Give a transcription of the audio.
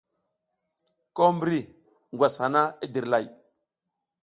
Ko mbri ngwas hana i dirlay.